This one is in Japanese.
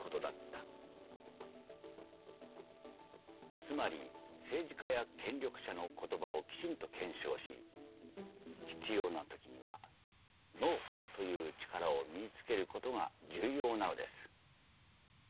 つまり政治家や権力者の言葉をきちんと検証し必要な時にはＮＯという力を身につけることが重要なのです。